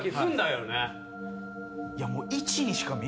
いやもう。